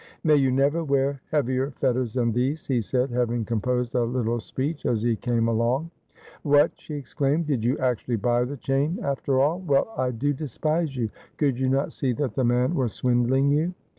' May you never wear heavier fetters than these !' he said, having composed the little speech as he came along. ' What,' she exclaimed, ' did you actually buy the chain after all ? Well, I do despise you. Could you not see that the man was swindling you